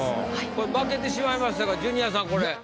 負けてしまいましたがジュニアさんこれ。